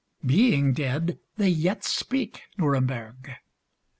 Being dead, they yet speak, Nuremberg